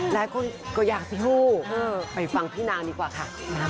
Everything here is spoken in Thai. และก็อยากสู้ไปฟังพี่นางดีกว่าค่ะ